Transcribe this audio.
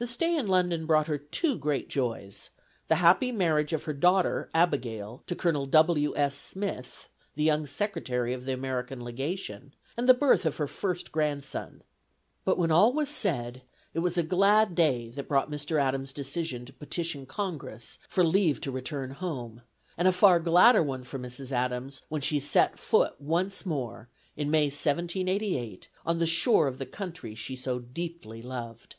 The stay in London brought her two great joys: the happy marriage of her daughter Abigail to Colonel W. S. Smith, the young secretary of the American Legation, and the birth of her first grandson. But when all was said, it was a glad day that brought Mr. Adams' decision to petition Congress for leave to return home; and a far gladder one for Mrs. Adams, when she set foot once more, in May 1788, on the shore of the country she so deeply loved.